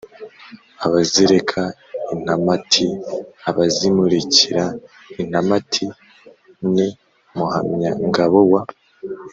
abazereka intamati: abazimurikira intamati (ni muhamyangabo wa